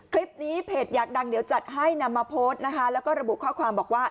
เพจอยากดังเดี๋ยวจัดให้นำมาโพสต์นะคะแล้วก็ระบุข้อความบอกว่า